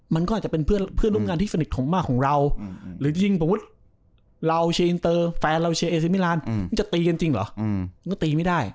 มันจะตีกันจริงหรอมันก็ตีไม่ได้